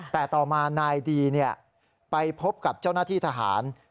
แต่ต่อมานายดีไปพบกับเจ้าหน้าที่ทหาร